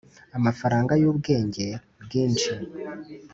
amafaranga yubwenge bwinshi